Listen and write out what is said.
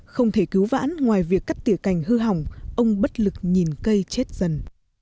không thể cứu vãn ngoài việc cắt tỉa cành hư hỏng ông bất lực nhìn cây chết dần